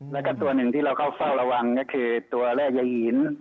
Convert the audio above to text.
แล้วก็ตัวหนึ่งที่เราก็เฝ้าระวังก็คือตัวแร่ยายหิน